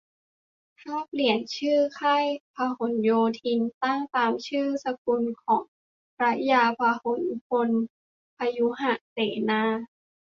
ถ้าเปลี่ยนชื่อ "ค่ายพหลโยธิน" ตั้งตามชื่อสกุลของพระยาพหลพลพยุหเสนา